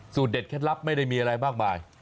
สูตรเด็ดแค่ลับหลังไม่ได้มีอะไรมากมาย